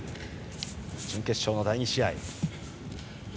準決勝の第２試合。